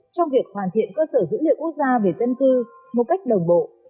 trong việc hoàn thiện cơ sở dữ liệu quốc gia về dân cư một cách đồng bộ